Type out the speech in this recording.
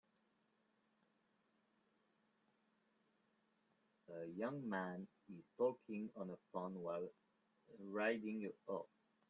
A young man is talking on a phone while riding a horse.